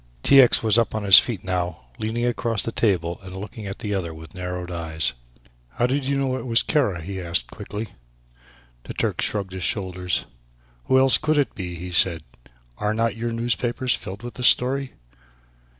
T. X. was up on his feet now, leaning across the table and looking at the other with narrowed eyes. "How did you know it was Kara?" he asked quickly. The Turk shrugged his shoulders. "Who else could it be?" he said; "are not your newspapers filled with the story?"